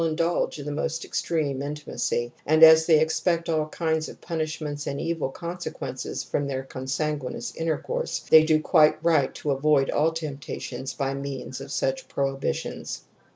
Fison. THE SAVAGE'S DREAD OF INCEST 19 indulge in the most extreme intimacy, and as they expect all kinds of punishments and evil consequences from consanguineous intercourse they do quite right to avoid all temptations by means of such prohibitions ^*.